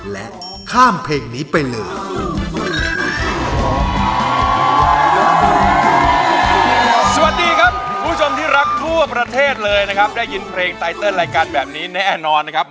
และข้ามเพลงนี้ไปเลย